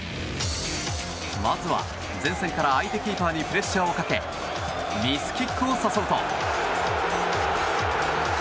まずは前線から相手キーパーにプレッシャーをかけミスキックを誘うと。